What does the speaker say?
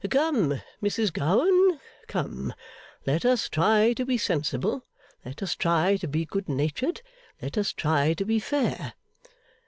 Come, Mrs Gowan, come! Let us try to be sensible; let us try to be good natured; let us try to be fair.